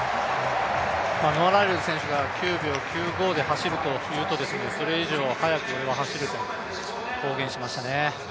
ノア・ライルズ選手が９秒９５で走ると言うとそれ以上速く俺は走ると公言しましたね。